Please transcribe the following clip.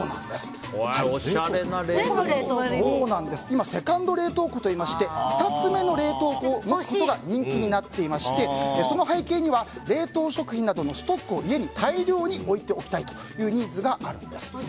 今セカンド冷凍庫といいまして２つ目の冷凍庫を持つことが人気になっていましてその背景には冷凍食品などのストックを家に大量に置いておきたいというニーズがあるんです。